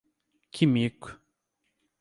Que mico!